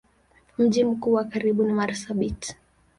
Mji mkubwa wa karibu ni Marsabit.